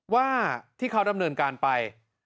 ว่าที่เขาดำเนินการไป